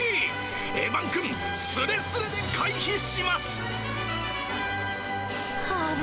エヴァンくん、すれすれで回避します。